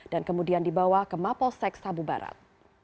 dan kemudian dibawa ke mapolsek sabu barat